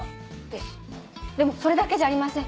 ですでもそれだけじゃありません。